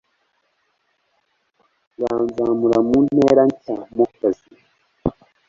Uranzamura mu ntera nshya mukazi